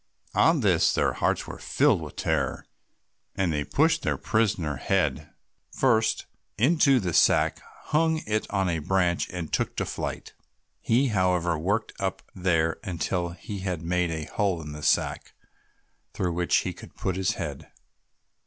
On this their hearts were filled with terror, and they pushed their prisoner head first into the sack, hung it on a branch, and took to flight. He, however, worked up there until he had made a hole in the sack through which he could put his head.